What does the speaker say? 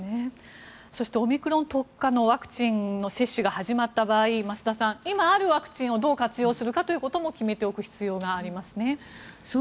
そしてオミクロン特化のワクチンの接種が始まった場合増田さん、今あるワクチンをどう活用するかということも決めておく必要がありますね。